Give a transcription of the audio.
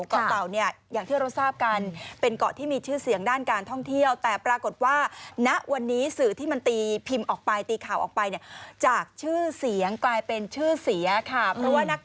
เกาะเต่าเนี่ยอย่างที่เราทราบกันเป็นเกาะที่มีชื่อเสียงด้านการท่องเที่ยวแต่ปรากฏว่าณวันนี้สื่อที่มันตีพิมพ์ออกไปตีข่าวออกไปเนี่ยจากชื่อเสียงกลายเป็นชื่อเสียค่ะเพราะว่านัก